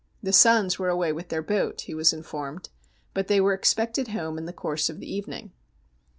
The sons were away with their boat, he was informed, but they were expected home in the course of the evening.